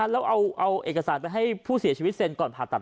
แล้วเอาเอกสารไปให้ผู้เสียชีวิตเซ็นก่อนผ่าตัด